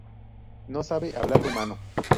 No sabe hablar rumano.